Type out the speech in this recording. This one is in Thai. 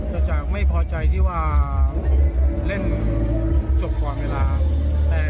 แต่จากไม่พอใจที่ว่าเล่นจบก่อนเวลา